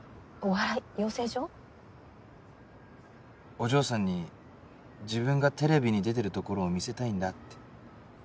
お嬢さんに自分がテレビに出てるところを見せたいんだって。